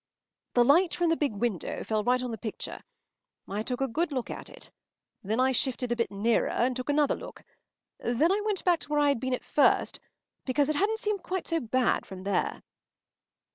” The light from the big window fell right on the picture. I took a good look at it. Then I shifted a bit nearer and took another look. Then I went back to where I had been at first, because it hadn’t seemed quite so bad from there.